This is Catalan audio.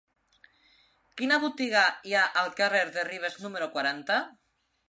Quina botiga hi ha al carrer de Ribes número quaranta?